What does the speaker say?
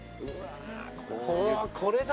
これだ！